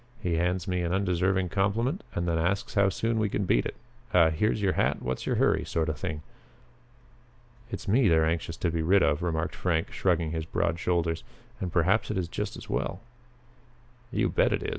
"He hands me an undeserved compliment and then asks how soon we can beat it. A 'here's your hat, what's your hurry' sort of thing." "It's me they're anxious to be rid of," remarked Frank, shrugging his broad shoulders, "and perhaps it is just as well." "You bet it is!"